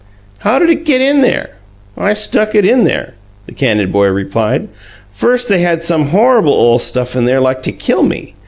"How'd it get there?" "I stuck it in there," the candid boy replied. "First they had some horrable ole stuff in there like to killed me.